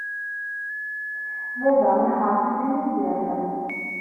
Baba iḥres-itt nezzeh.